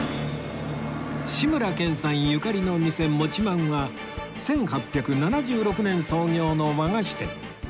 志村けんさんゆかりの店餅萬は１８７６年創業の和菓子店